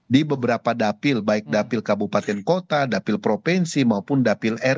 di beberapa dapil baik dapil kabupaten kota dapil provinsi maupun dapil